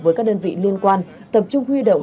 với các đơn vị liên quan tập trung huy động